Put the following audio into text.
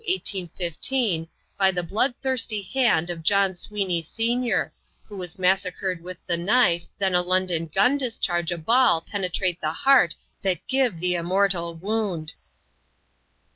1815 by the blood thrusty hand of John Sweeny Sr Who was massacred with the Nife then a London Gun discharge a ball penetrate the Heart that give the immortal wound."